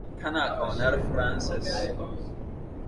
Kana ƙaunar Francis?